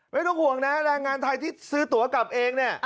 ไม่ต้องห่วงนะแรงงานไทยที่ซื้อตัวกลับเองเนี่ย